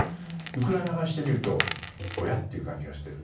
ウクライナ側にしてみるとおや？という感じがしている。